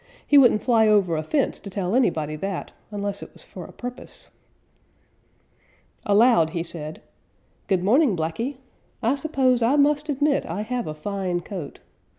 He wouldn't fly over a fence to tell anybody that unless it was for a purpose." Aloud he said, "Good morning, Blacky. I suppose I must admit I have a fine coat.